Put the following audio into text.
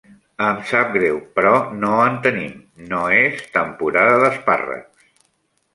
Em sap greu, però no en tenim, no és temporada d'espàrrecs.